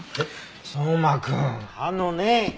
相馬くんあのねえ。